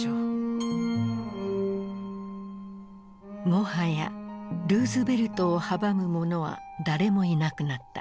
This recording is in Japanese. もはやルーズベルトを阻む者は誰もいなくなった。